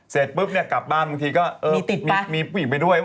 เสร็จปุ๊บกลับบ้านมีผู้หญิงไปด้วย